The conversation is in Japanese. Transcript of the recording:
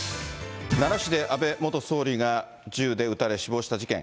奈良市で安倍元総理が銃で撃たれ死亡した事件。